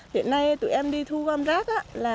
hiện nay tụi em đi thu gom rác